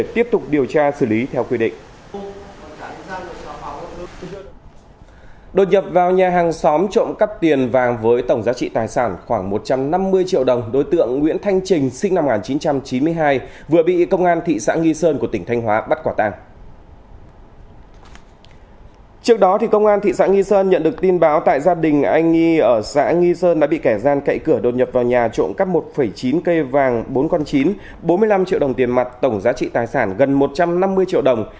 trước đó công an thị xã nghi sơn nhận được tin báo tại gia đình anh nghi ở xã nghi sơn đã bị kẻ gian cậy cửa đột nhập vào nhà trộn cắp một chín cây vàng bốn con chín bốn mươi năm triệu đồng tiền mặt tổng giá trị tài sản gần một trăm năm mươi triệu đồng